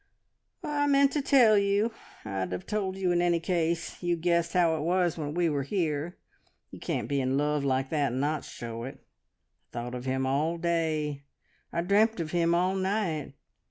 "I meant to tell you. I'd have told you in any case. You guessed how it was when we were here. You can't be in love like that and not show it. I thought of him all day; I dreamt of him all night